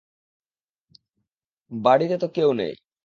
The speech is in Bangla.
বাড়িতে তো কেউ নেই।